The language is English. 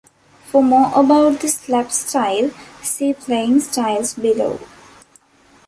For more about the slap style, see "Playing styles," below.